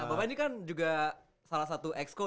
nah bapak ini kan juga salah satu ex co